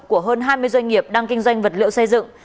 của hơn hai mươi doanh nghiệp đang kinh doanh vật liệu xây dựng